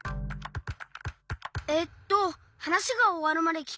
えっとはなしがおわるまできく。